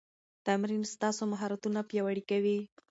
تمرین ستاسو مهارتونه پیاوړي کوي.